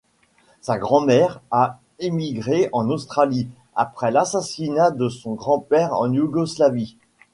Sa grand-mère a émigré en Australie après l'assassinat de son grand-père en Yougoslavie.